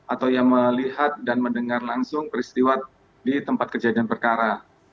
atau yang melihat dan mendengar langsung peristiwa di tempat kejadian perkara